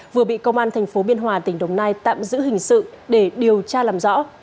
vừa bị công an tp biên hòa tỉnh đồng nai tạm giữ hình sự để điều tra làm rõ